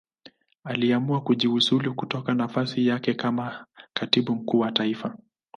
Aliamua kujiuzulu kutoka nafasi yake kama Katibu Mkuu wa Taifa.